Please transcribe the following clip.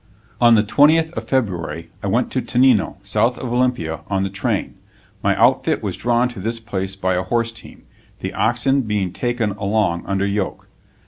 On the twentieth of February I went to Tenino, south of Olympia, on the train. My outfit was drawn to this place by a horse team, the oxen being taken along under yoke.